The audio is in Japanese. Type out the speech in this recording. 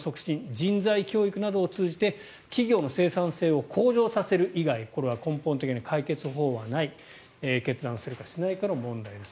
人材教育などを通じて企業の生産性を向上させる以外これは根本的な解決法はない決断するかしないかの問題です。